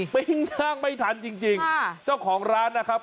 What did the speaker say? ปิ้งทางไม่ทันจริงจริงค่ะเจ้าของร้านนะครับ